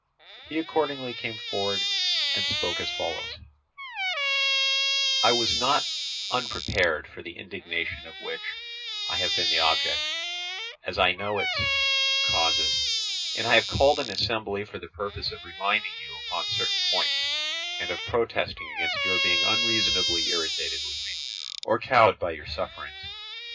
He accordingly came forward and spoke as follows: "I was not unprepared for the indignation of which I have been the object, as I know its causes; and I have called an assembly for the purpose of reminding you upon certain points, and of protesting against your being unreasonably irritated with me, or cowed by your sufferings.